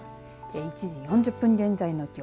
１時４０分現在の気温。